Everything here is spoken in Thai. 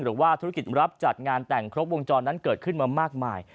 หรือว่าธุรกิจรับจัดงานแต่งครบวงจรนั้นเกิดขึ้นมามากมาย